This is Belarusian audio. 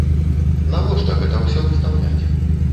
Навошта гэта ўсё выстаўляць?